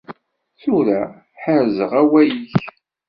Tura ḥerzeɣ awal-ik.